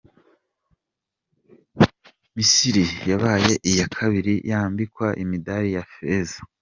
Misiri yabaye iya kabiri yambikwa imidali ya Feza.